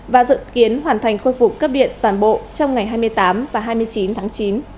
và dự kiến hoàn thành khôi phục cấp điện toàn bộ trong ngày hai mươi tám và hai mươi chín tháng chín